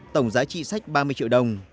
tổng giá trị sách ba mươi triệu đồng